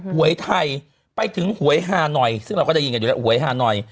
หวยไทยไปถึงหวยฮาหน่อยซึ่งเราก็ได้ยินกันอยู่แล้วหวยฮาหน่อย